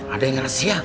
ada yang rahasia